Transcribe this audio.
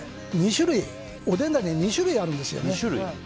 おでんダネには２種類あるんですよね。